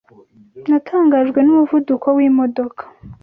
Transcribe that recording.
Natangajwe n'umuvuduko wimodoka.